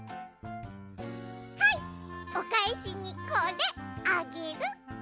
はいおかえしにこれあげる。